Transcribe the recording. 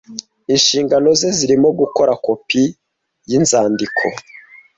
Inshingano ze zirimo gukora kopi yinzandiko.